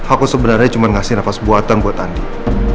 aku sebenernya cuman ngasih nafas buatan buat andin